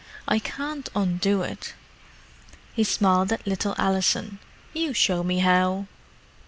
"I can't undo it." He smiled at little Alison. "You show me how."